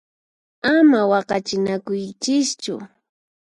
Ama waqachinakuychischu!